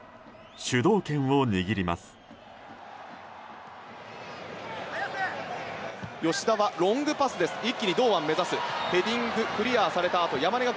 主導権を握ります。